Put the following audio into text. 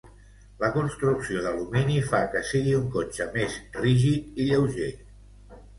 La construcció d'alumini fa que sigui un cotxe més rígid i lleuger.